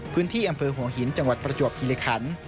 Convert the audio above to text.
พื้นที่อำเภอหัวหินจังหวัดประจวบคิริคัน